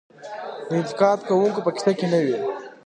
د انتقاد کوونکو په قصه کې نه وي .